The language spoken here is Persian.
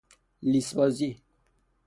لیس بازی